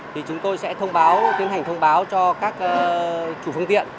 thì chúng tôi sẽ tiến hành thông báo cho các chủ phương tiện